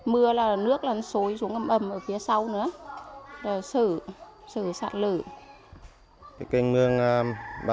mưa là nước là nó sối xuống ẩm ẩm ở phía sau nữa sở sở sạc lử